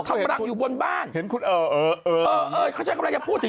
ทำไมเธอรู้ว่าเธออาจจะแบบมงนะใช่มั้ย